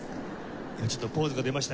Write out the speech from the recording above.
今ちょっとポーズが出ましたよ。